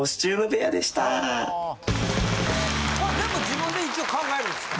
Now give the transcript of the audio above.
全部自分で一応考えるんですか。